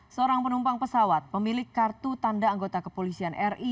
seorang penumpang pesawat pemilik kartu tanda anggota kepolisian ri